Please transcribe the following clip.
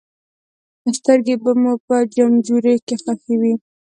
سترګې به مو په جمبوري کې ښخې وې.